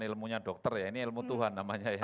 ilmunya dokter ya ini ilmu tuhan namanya ya